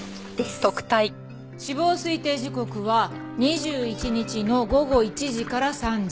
死亡推定時刻は２１日の午後１時から３時。